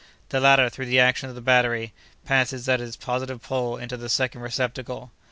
"The latter, through the action of the battery, passes at its positive pole into the second receptacle.